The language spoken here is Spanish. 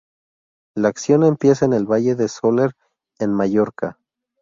La acción empieza en el Valle de Sóller, en Mallorca.